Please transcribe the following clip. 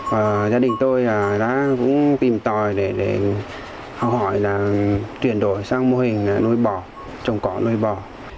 và gia đình tôi đã cũng tìm tòi để học hỏi là chuyển đổi sang mô hình nuôi bò trồng cỏ nuôi bò